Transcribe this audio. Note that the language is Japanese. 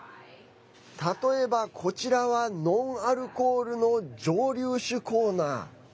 例えば、こちらはノンアルコールの蒸留酒コーナー。